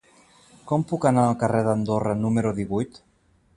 Com puc anar al carrer d'Andorra número divuit?